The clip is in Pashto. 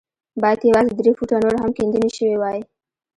بايد يوازې درې فوټه نور هم کيندنې شوې وای.